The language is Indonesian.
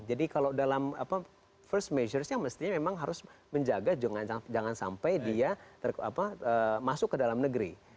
jadi kalau dalam first measure nya mesti memang harus menjaga jangan sampai dia masuk ke dalam negeri